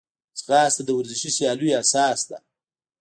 ځغاسته د ورزشي سیالیو اساس ده